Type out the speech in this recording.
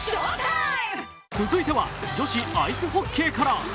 続いては女子アイスホッケーから。